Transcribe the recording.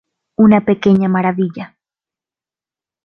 Una pequeña maravilla.